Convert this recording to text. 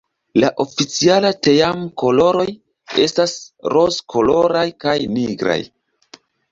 La oficiala team-koloroj estas rozkoloraj kaj nigraj.